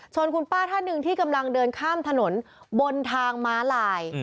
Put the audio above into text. ส่วนคุณป้าท่านหนึ่งที่กำลังเดินข้ามถนนบนทางม้าลาย